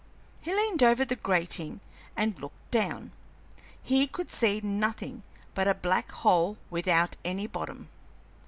He leaned over the grating and looked down; he could see nothing but a black hole without any bottom.